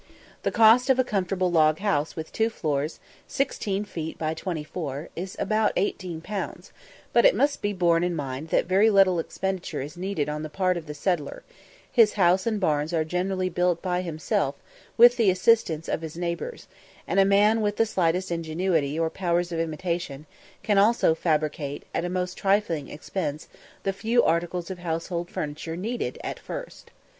The cost of a comfortable log house with two floors, 16 feet by 24, is about 18_l._; but it must be borne in mind that very little expenditure is needed on the part of the settler; his house and barns are generally built by himself, with the assistance of his neighbours; and a man with the slightest ingenuity or powers of imitation can also fabricate at a most trifling expense the few articles of household furniture needed at first.